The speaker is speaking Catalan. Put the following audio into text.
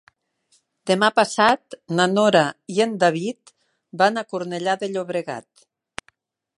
Demà passat na Nora i en David van a Cornellà de Llobregat.